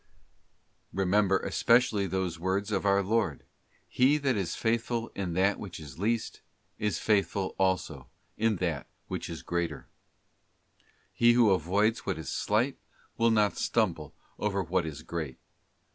Remember especially those words of our Lord, ' He that is faithful in that which is least, is faithful also in that which is greater.' t He who avoids what is slight will not stumble over what is great.